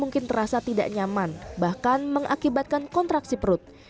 mungkin terasa tidak nyaman bahkan mengakibatkan kontraksi perut